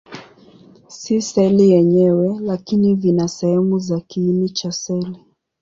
Si seli yenyewe, lakini vina sehemu za kiini cha seli.